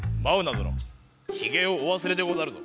どのひげをおわすれでござるぞ。